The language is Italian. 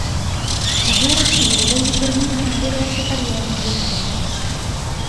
La guerra civile gli permise una veloce carriera militare.